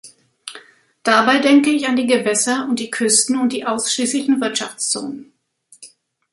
Dabei denke ich an die Gewässer und die Küsten und die ausschließlichen Wirtschaftszonen.